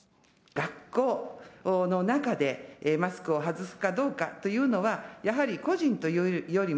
学校の中でマスクを外すかどうかというのは、やはり個人というよりも、